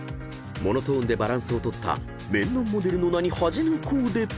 ［モノトーンでバランスを取った『メンノン』モデルの名に恥じぬコーデ］